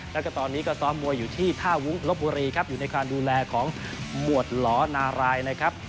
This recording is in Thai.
แล้วก็ตอนนี้ก็ซ้อมมวยอยู่ที่ท่าวุ้งลบบุรีครับอยู่ในความดูแลของหมวดหลอนารายนะครับ